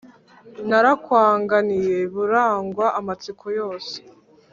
narakwanganiye burangwa amatsiko yose